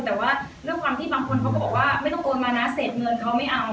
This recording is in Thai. แต่ว่าด้วยความที่บางคนเขาก็บอกว่าไม่ต้องโอนมานะเสร็จเงินเขาไม่เอา